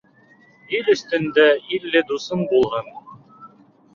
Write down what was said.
Ил өҫтөндә илле дуҫың булһын.